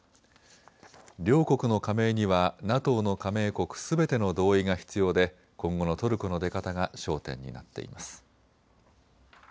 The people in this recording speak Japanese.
両国の加盟にはＮＡＴＯの加盟国すべての同意が必要で今後のトルコの出方が焦点になっています。